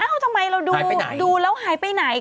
ทำไมเราดูแล้วหายไปไหน